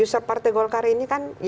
user partai golkar ini kan ya pada umumnya